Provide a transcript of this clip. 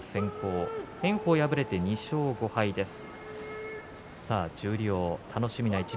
炎鵬は敗れて、２勝５敗です。